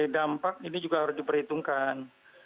dampak ini juga harus diperhitungkan